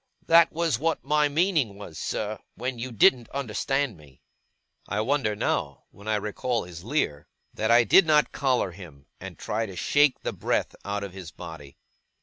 That was what my meaning was, sir, when you didn't understand me.' I wonder now, when I recall his leer, that I did not collar him, and try to shake the breath out of his body.